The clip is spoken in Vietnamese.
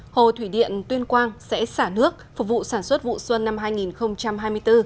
hồ thủy điện tuyên quang sẽ xả nước phục vụ sản xuất vụ xuân năm hai nghìn hai mươi bốn